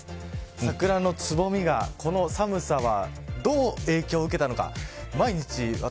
桜のつぼみがこの寒さにどう影響を受けたのか。